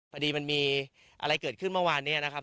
มันมีอะไรเกิดขึ้นเมื่อวานนี้นะครับ